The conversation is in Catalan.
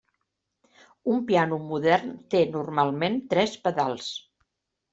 Un piano modern té normalment tres pedals.